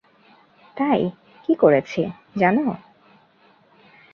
তাই কী করেছি, জানো?